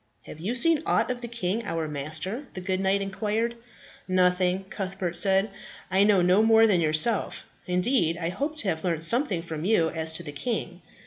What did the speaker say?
"Have you seen aught of the king, our master?" the good knight inquired. "Nothing," Cuthbert said. "I know no more than yourself. Indeed, I hoped to have learnt something from you as to the king."